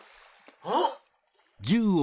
あっ！